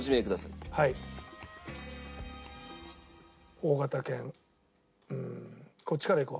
大型犬うーんこっちからいこう。